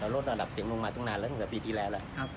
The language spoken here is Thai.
ลดระดับเสียงลงมาตั้งนานแล้ว